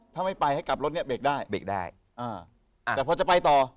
ถ้าไม่ไปให้กลับรถเนี้ยเบรกได้เบรกได้อ่าแต่พอจะไปต่อ